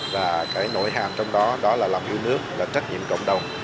và cái nội hàm trong đó đó là lòng yêu nước là trách nhiệm cộng đồng